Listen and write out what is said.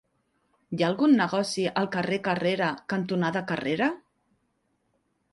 Hi ha algun negoci al carrer Carrera cantonada Carrera?